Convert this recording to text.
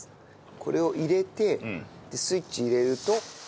これを入れてでスイッチを入れると。